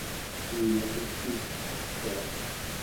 yuinarnek yuullrurtua